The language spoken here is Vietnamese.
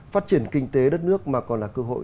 phát triển kinh tế đất nước mà còn là cơ hội